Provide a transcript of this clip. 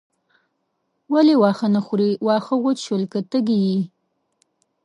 ولې واښه نه خورې واښه وچ شول که تږې یې.